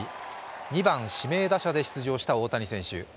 ２番・指名打者で出場した大谷選手。